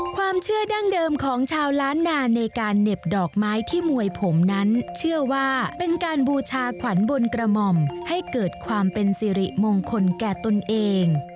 ความเชื่อดั้งเดิมของชาวล้านนาในการเหน็บดอกไม้ที่มวยผมนั้นเชื่อว่าเป็นการบูชาขวัญบนกระหม่อมให้เกิดความเป็นสิริมงคลแก่ตนเอง